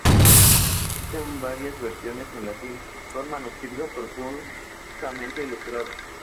Existe en varias versiones en latín, con manuscritos profusamente ilustrados.